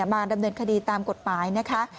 มาดำเนินคดีตามกฎหมายนะคะ